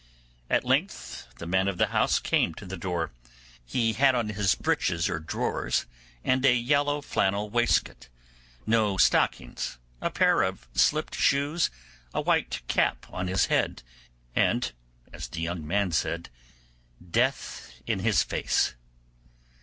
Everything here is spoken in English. At length the man of the house came to the door; he had on his breeches or drawers, and a yellow flannel waistcoat, no stockings, a pair of slipped shoes, a white cap on his head, and, as the young man said, 'death in his face'.